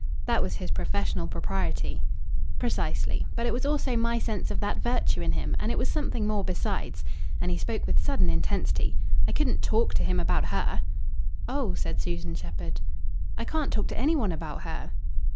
"That was his professional propriety." "Precisely. But it was also my sense of that virtue in him, and it was something more besides." And he spoke with sudden intensity. "I couldn't TALK to him about her!" "Oh!" said Susan Shepherd. "I can't talk to any one about her."